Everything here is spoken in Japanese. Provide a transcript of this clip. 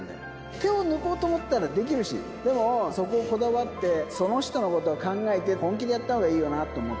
手を抜こうと思ったらできるし、でもそこにこだわって、その人のことを考えて、本気でやったほうがいいよなって思う。